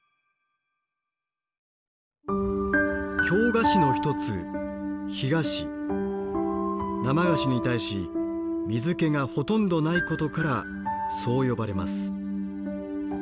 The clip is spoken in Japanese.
京菓子の一つ生菓子に対し水けがほとんどないことからそう呼ばれます。